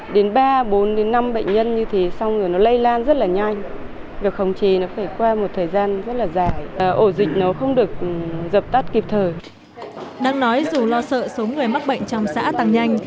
đang nói dù lo sợ số người mắc bệnh trong xã tăng nhanh